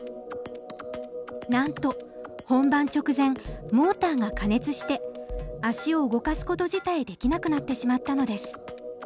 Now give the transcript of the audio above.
なんと本番直前モーターが過熱して足を動かすこと自体できなくなってしまったのです。